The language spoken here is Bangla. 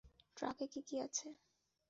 ট্রাকে কী কী আছে?